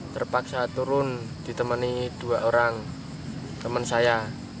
terpaksa turun ditemani dua orang teman saya